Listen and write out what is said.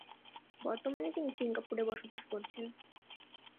বর্তমানে তিনি সিঙ্গাপুরে বসবাস করছেন।